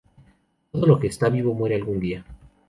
Todo lo que está vivo muere algún día.